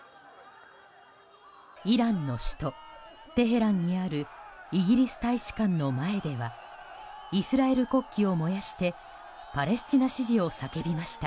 イランの首都テヘランにあるイギリス大使館の前ではイスラエル国旗を燃やしてパレスチナ支持を叫びました。